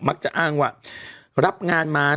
จะอ้างว่ารับงานมา